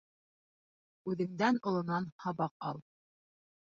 Үҙеңдән олонан һабаҡ ал.